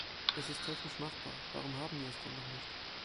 Es ist technisch machbar, warum haben wir es dann noch nicht?